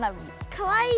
かわいい！